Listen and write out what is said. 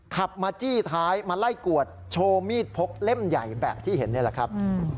ขับมาจี้ท้ายมาไล่กวดโชว์มีดพกเล่มใหญ่แบบที่เห็นนี่แหละครับ